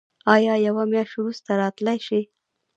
ایا یوه میاشت وروسته راتلی شئ؟